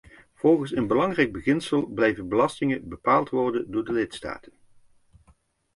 Volgens een belangrijk beginsel blijven belastingen bepaald worden door de lidstaten.